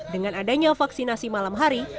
dengan adanya vaksinasi malam hari